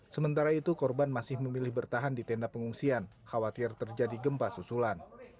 sementara itu korban masih memilih bertahan di tenda pengungsian khawatir terjadi gempa susulan